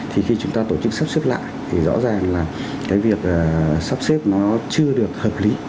thì khi chúng ta tổ chức sắp xếp lại thì rõ ràng là cái việc sắp xếp nó chưa được hợp lý